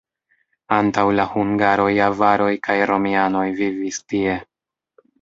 Antaŭ la hungaroj avaroj kaj romianoj vivis tie.